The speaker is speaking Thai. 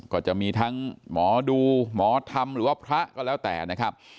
ก็จะมีทั้งหมอดูหมอธรรมหรือว่าพระก็แล้วแต่นะครับ